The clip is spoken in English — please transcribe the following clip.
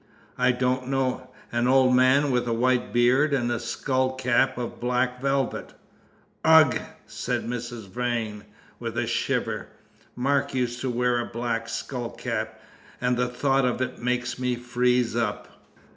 "I don't know. An old man with white beard and a skull cap of black velvet." "Ugh!" said Mrs. Vrain, with a shiver. "Mark used to wear a black skull cap, and the thought of it makes me freeze up.